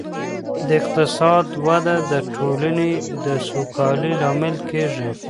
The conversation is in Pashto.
د اقتصاد وده د ټولني د سوکالۍ لامل کيږي.